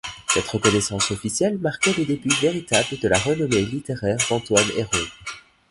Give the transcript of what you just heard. Cette reconnaissance officielle marquait le début véritable de la renommée littéraire d’Antoine Héroët.